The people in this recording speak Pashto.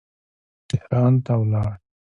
تهران ته ولاړ.